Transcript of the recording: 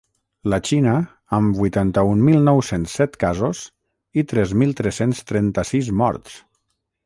La Xina, amb vuitanta-un mil nou-cents set casos i tres mil tres-cents trenta-sis morts.